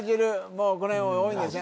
もうこの辺は多いんですね